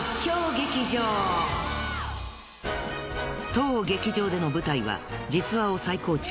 当劇場での舞台は実話を再構築